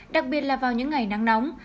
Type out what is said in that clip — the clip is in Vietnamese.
đặc biệt là vào những ngày nắng nóng